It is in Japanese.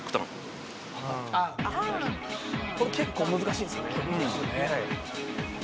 「これ結構難しいんですよね」